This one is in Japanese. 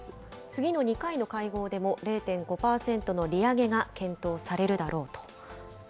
次の２回の会合でも０．５％の利上げが検討されるだろうと。